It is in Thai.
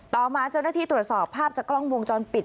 ต่อมาเจ้าหน้าที่ตรวจสอบภาพจากกล้องวงจรปิด